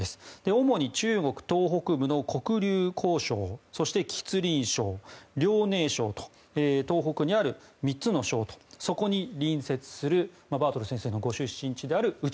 主に中国東北部の黒竜江省そして、吉林省、遼寧省と東北にある３つの省とそこに隣接するバートル先生のご出身地である内